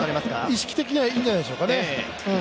意識的にはいいんじゃないでしょうかね。